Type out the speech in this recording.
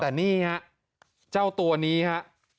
แต่นี่ฮะเจ้าตัวนี้ฮะ